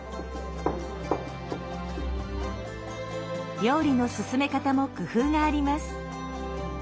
料理の進め方も工夫があります。